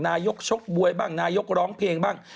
นายกชกมวยบ้างนายกร้องเพลงบ้าง